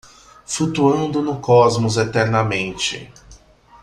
Flutuando no cosmos eternamente.